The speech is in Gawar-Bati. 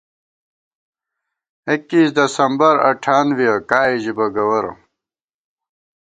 ایکیس دسمبر اٹھانوېَہ ، کائے ژِبہ گوَرہ